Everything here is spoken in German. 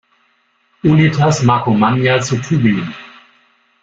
Unitas Markomannia zu Tübingen.